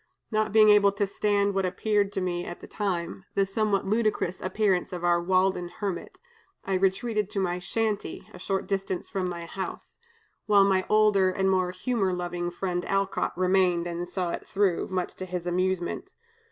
Not being able to stand what appeared to me at the time the somewhat ludicrous appearance of our Walden hermit, I retreated to my 'shanty,' a short distance from my house; while my older and more humor loving friend Alcott remained and saw it through, much to his amusement.